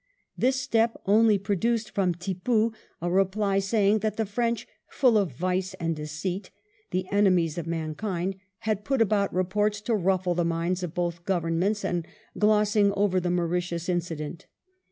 This step only produced from Tippoo a reply saying that the French, " full of vice and deceit," " the enemies of mankind," had put about reports to rufile the minds of both governments, and glossing over the Mauritius incident.